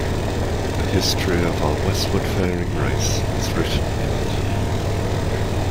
The history of our westward-faring race is written in it.